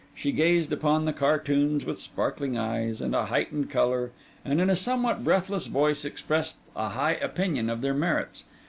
She gazed upon the cartoons with sparkling eyes, and a heightened colour, and in a somewhat breathless voice, expressed a high opinion of their merits.